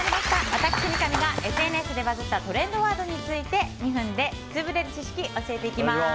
私、三上がＳＮＳでバズったトレンドワードについて２分でツウぶれる知識教えていきます。